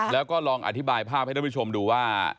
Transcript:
แล้วก็ลองอธิบายภาพให้ท่านผู้ชมดูว่า